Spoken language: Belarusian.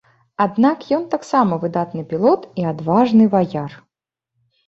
Аднак ён таксама выдатны пілот і адважны ваяр.